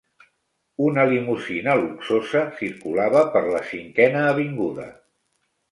Una limusina luxosa circulava per la cinquena avinguda.